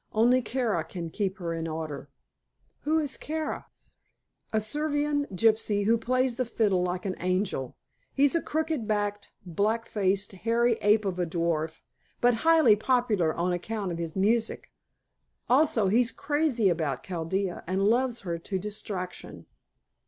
Only Kara can keep her in order." "Who is Kara?" "A Servian gypsy who plays the fiddle like an angel. He's a crooked backed, black faced, hairy ape of a dwarf, but highly popular on account of his music. Also, he's crazy about Chaldea, and loves her to distraction."